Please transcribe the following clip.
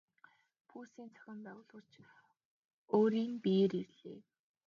Пүүсийн зохион байгуулагч өөрийн биеэр иржээ.